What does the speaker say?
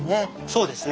そうです。